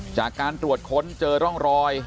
จากการตรวจค้นเจอร่องรอย